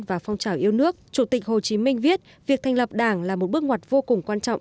và phong trào yêu nước chủ tịch hồ chí minh viết việc thành lập đảng là một bước ngoặt vô cùng quan trọng